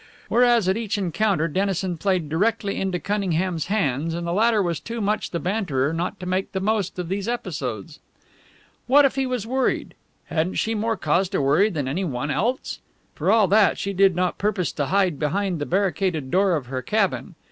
Whereas at each encounter Dennison played directly into Cunningham's hands, and the latter was too much the banterer not to make the most of these episodes. What if he was worried? Hadn't she more cause to worry than any one else? For all that, she did not purpose to hide behind the barricaded door of her cabin.